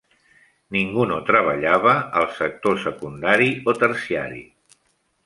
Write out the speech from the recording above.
Ningú no treballava al sector secundari o terciari.